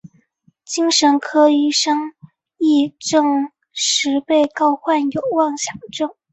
精神科医生亦证实被告患有妄想症。